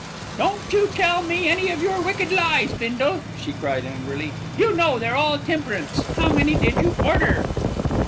"Don't you tell me any of your wicked lies, Bindle," she cried angrily. "You know they're all temperance. How many did you order?"